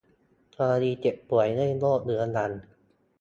กรณีเจ็บป่วยด้วยโรคเรื้อรัง